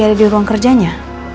ya udah kalau gak percaya